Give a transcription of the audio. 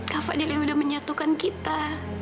kak fadil yang udah menyatukan kita